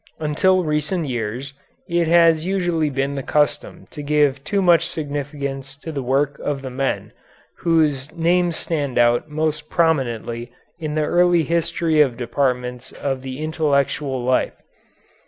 Until recent years it has usually been the custom to give too much significance to the work of the men whose names stand out most prominently in the early history of departments of the intellectual life.